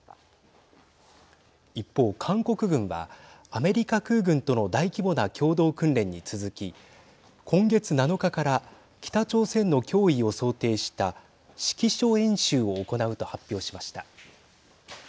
一方、韓国軍はアメリカ空軍との大規模な共同訓練に続き今月７日から北朝鮮の脅威を想定した指揮所演習を行うと発表しました。